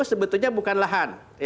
sebetulnya bukan lahan